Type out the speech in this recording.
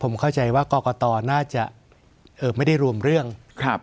ผมเข้าใจว่ากรกตน่าจะไม่ได้รวมเรื่องครับ